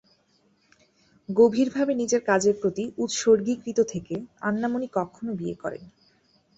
গভীরভাবে নিজের কাজের প্রতি উৎসর্গীকৃত থেকে, আন্না মনি কখনও বিয়ে করেননি।